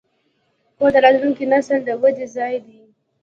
کور د راتلونکي نسل د ودې ځای دی.